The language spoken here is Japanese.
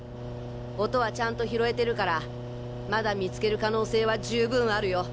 音はちゃんと拾えてるからまだ見つける可能性は十分あるよ！